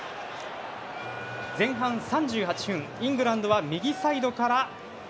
前半３８分イングランドは右サイドから。